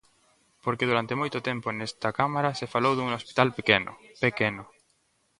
Porque durante moito tempo nesta Cámara se falou dun hospital pequeno, pequeno.